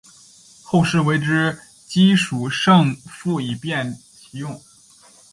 后世为之机抒胜复以便其用。